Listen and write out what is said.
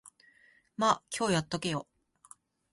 ま、今日やっとけよ。